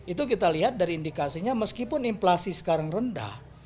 itu kita lihat dari indikasinya meskipun inflasi sekarang rendah